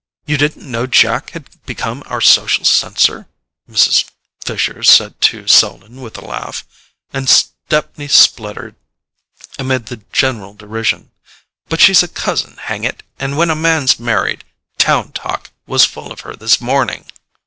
"You didn't know Jack had become our social censor?" Mrs. Fisher said to Selden with a laugh; and Stepney spluttered, amid the general derision: "But she's a cousin, hang it, and when a man's married—TOWN TALK was full of her this morning."